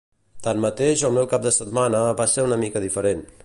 Tanmateix el meu cap de setmana va ser una mica diferent.